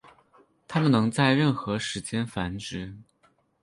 它们能在任何时间繁殖。